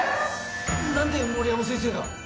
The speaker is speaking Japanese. なんで森山先生が？